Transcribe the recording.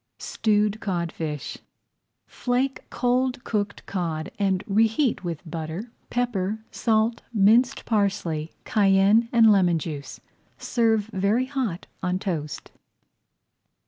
STEWED CODFISH Flake cold cooked cod and reheat with butter, pepper, salt, minced parsley, cayenne, and lemon juice. Serve very hot on toast.